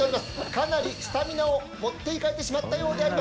かなりスタミナを持っていかれてしまったようであります。